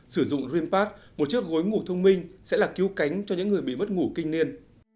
sử dụng dreampad một chiếc gối ngủ thông minh sẽ là cứu cánh cho những người bị mất ngủ kinh niên